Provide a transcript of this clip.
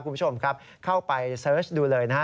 คุณผู้ชมครับเข้าไปเสิร์ชดูเลยนะฮะ